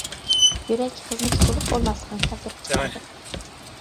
يۈرەك خىزمىتى تولۇق بولماسلىقنى كەلتۈرۈپ چىقىرىدۇ.